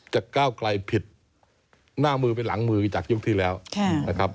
ก้าวไกลผิดหน้ามือไปหลังมือจากยุคที่แล้วนะครับ